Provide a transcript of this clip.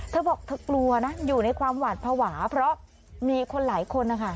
เธอบอกเธอกลัวนะอยู่ในความหวาดภาวะเพราะมีคนหลายคนนะคะ